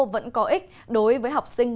vẫn có ích đối với học sinh